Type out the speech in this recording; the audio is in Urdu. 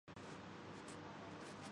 حالانکہ بات بنتی دکھائی نہیں دیتی۔